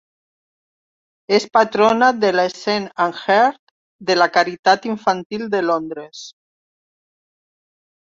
És patrona de la Scene and Heard de la Caritat infantil de Londres.